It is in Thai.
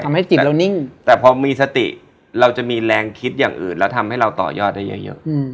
จิตเรานิ่งแต่พอมีสติเราจะมีแรงคิดอย่างอื่นแล้วทำให้เราต่อยอดได้เยอะ